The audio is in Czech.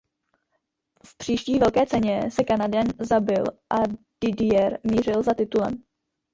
V příští velké ceně se Kanaďan zabil a Didier mířil za titulem.